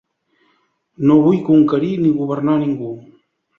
No vull conquerir ni governar ningú.